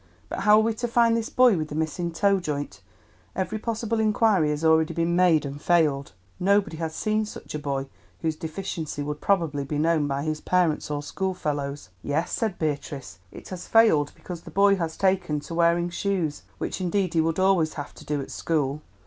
But how are we to find this boy with the missing toe joint? Every possible inquiry has already been made and failed. Nobody has seen such a boy, whose deficiency would probably be known by his parents, or schoolfellows." "Yes," said Beatrice, "it has failed because the boy has taken to wearing shoes, which indeed he would always have to do at school.